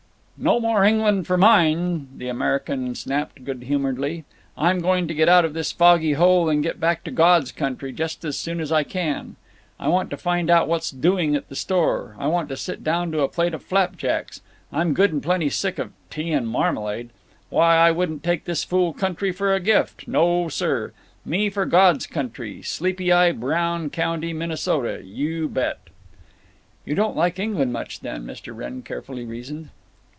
"No more England for mine," the American snapped, good humoredly. "I'm going to get out of this foggy hole and get back to God's country just as soon as I can. I want to find out what's doing at the store, and I want to sit down to a plate of flapjacks. I'm good and plenty sick of tea and marmalade. Why, I wouldn't take this fool country for a gift. No, sir! Me for God's country—Sleepy Eye, Brown County, Minnesota. You bet!" "You don't like England much, then?" Mr. Wrenn carefully reasoned.